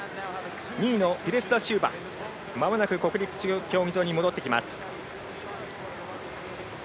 ２位のピレスダシウバまもなく国立競技場に戻ってきます。